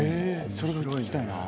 それは聞きたいなあ。